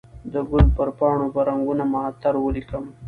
د ګل پر پاڼو به رنګونه معطر ولیکم